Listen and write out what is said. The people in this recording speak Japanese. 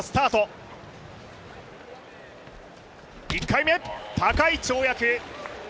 １回目、高い跳躍。